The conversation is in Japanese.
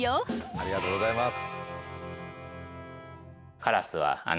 ありがとうございます。